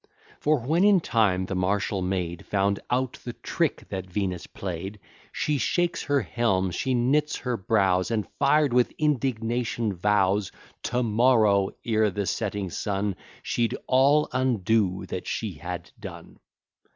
For when in time the Martial Maid Found out the trick that Venus play'd, She shakes her helm, she knits her brows, And, fired with indignation, vows, To morrow, ere the setting sun, She'd all undo that she had done.